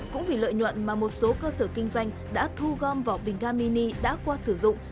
cũng vì lợi nhuận mà một số cơ sở kinh doanh đã thu gom vỏ bình ga mini đã qua sử dụng